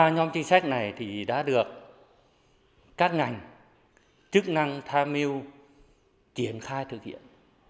một mươi ba nhóm chính sách này đã được các ngành chức năng tham mưu triển khai thực hiện